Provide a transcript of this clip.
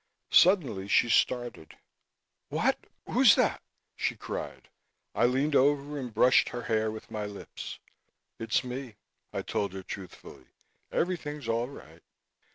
Suddenly she started. "What? Who's that?" she cried. I leaned over and brushed her hair with my lips. "It's me," I told her truthfully. "Everything's all right."